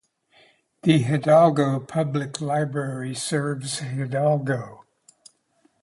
The Hidalgo Public Library serves Hidalgo.